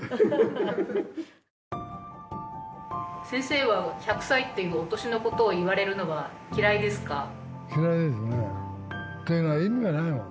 先生は１００歳っていうお年のことを言われるのは嫌いですか？